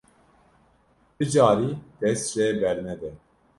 Ti carî dest jê bernede.